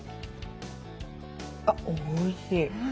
あおいしい。